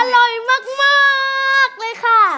อร่อยมากเลยค่ะ